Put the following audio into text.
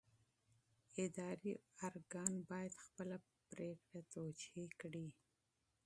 اداري ارګان باید خپله پرېکړه توجیه کړي.